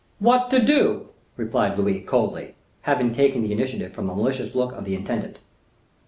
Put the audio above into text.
"What to do?" replied Louis, coldly, having taken the initiative from a malicious look of the intendant.